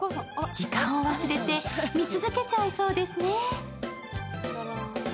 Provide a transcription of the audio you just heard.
時間を忘れて見続けちゃいそうですね。